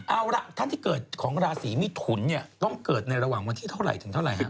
เอาล่ะท่านที่เกิดของราศีมิถุนเนี่ยต้องเกิดในระหว่างวันที่เท่าไหร่ถึงเท่าไหร่ฮะ